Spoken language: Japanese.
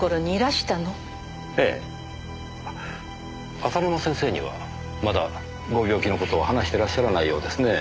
浅沼先生にはまだご病気の事を話してらっしゃらないようですね。